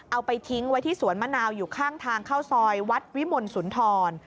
เอาไปทิ้งไว้ที่สวนมะนาวอยู่ข้างทางเข้าซอยวัดวิมลสุนทร